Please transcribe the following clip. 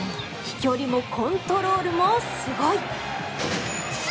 飛距離もコントロールもすごい。